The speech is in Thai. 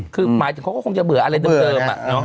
คือหมายถึงเขาก็คงจะเบื่ออะไรเดิม